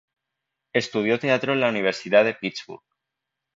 Estudió teatro en la Universidad de Pittsburgh.